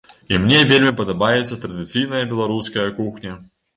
І мне вельмі падабаецца традыцыйная беларуская кухня.